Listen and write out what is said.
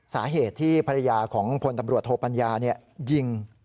สาเหตุที่ภรรยาของพลตำรวจโทปัญญายิง